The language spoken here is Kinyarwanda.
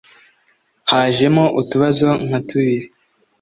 Hajemo utubazo nka tubiri